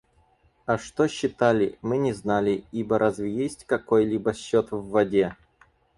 А что считали, мы не знали, ибо разве есть какой-либо счет в воде?